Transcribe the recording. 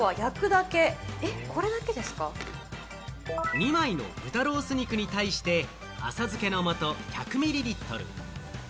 ２枚の豚ロース肉に対して、浅漬けの素１００ミリリットル。